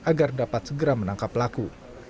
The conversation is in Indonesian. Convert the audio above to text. agar dapat segera menangkap pelaku